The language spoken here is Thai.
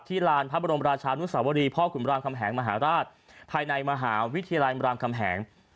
ลานพระบรมราชานุสาวรีพ่อขุนรามคำแหงมหาราชภายในมหาวิทยาลัยรามคำแหง